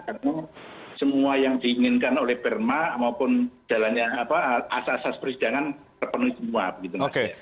karena semua yang diinginkan oleh perma maupun jalannya apa asas asas perhidangan terpenuhi semua